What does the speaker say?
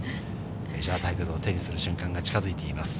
メジャータイトルを手にする瞬間が近づいています。